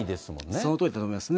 そのとおりだと思いますね。